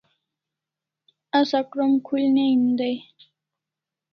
Asa krom khul ne hin dai